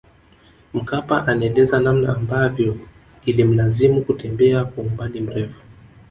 Mkapa anaeleza namna ambavyo ilimlazimu kutembea kwa umbali mrefu